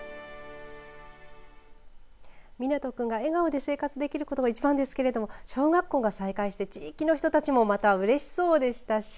海那人君が笑顔で生活できることが一番ですけれども小学校が再開してい地域の人たちもまたうれしそうでした。